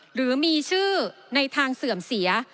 หรือมีชื่อในทางเสื่อมเสีย